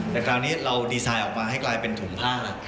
แต่คราวนี้เราดีไซน์ออกมาให้กลายเป็นถุงผ้า